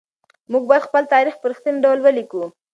موږ بايد خپل تاريخ په رښتيني ډول ولېکو.